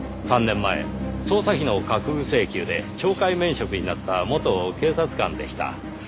３年前捜査費の架空請求で懲戒免職になった元警察官でした。